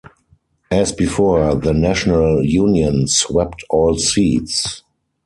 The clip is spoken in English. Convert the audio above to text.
As before, the National Union swept all seats.